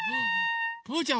ぷうちゃん